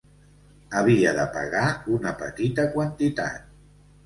Havia de pagar una petita quantitat.